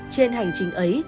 trên hành trình ấy